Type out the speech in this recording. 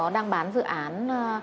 đang bán dự án